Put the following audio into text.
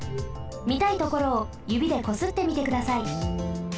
みたいところをゆびでこすってみてください。